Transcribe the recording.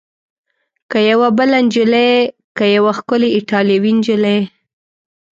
که یوه بله نجلۍ؟ که یوه ښکلې ایټالوۍ نجلۍ؟